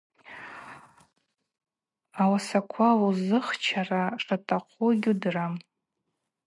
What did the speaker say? Ауасаква узыхчара шатахъугьи гьудырам.